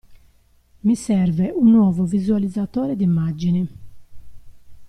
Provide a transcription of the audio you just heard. Mi serve un nuovo visualizzatore d'immagini.